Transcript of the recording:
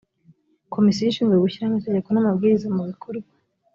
komisiyo ishinzwe gushyiraho amategeko n’amabwiriza mu bikorwa